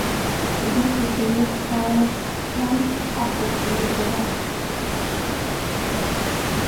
ტბის სული ხართან ასოცირდება.